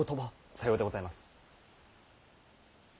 さようでございます。